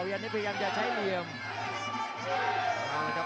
ประโยชน์ทอตอร์จานแสนชัยกับยานิลลาลีนี่ครับ